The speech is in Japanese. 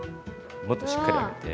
もっとしっかり上げて。